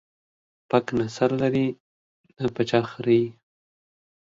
پک نه سر لري ، نې په چا خريي.